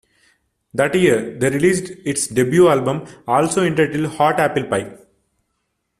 That year, they released its debut album, also entitled "Hot Apple Pie".